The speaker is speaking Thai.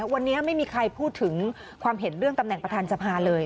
วันนี้ไม่มีใครพูดถึงความเห็นเรื่องตำแหน่งประธานสภาเลย